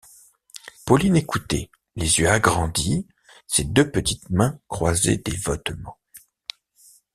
Pauline écoutait, les yeux agrandis, ses deux petites mains croisées dévotement.